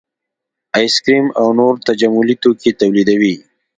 ایس کریم او نور تجملي توکي تولیدوي